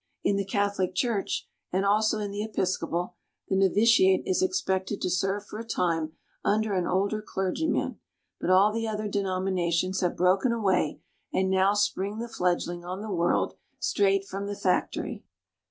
In the Catholic Church, and also in the Episcopal, the novitiate is expected to serve for a time under an older clergyman; but all the other denominations have broken away, and now spring the fledgling on the world straight from the factory.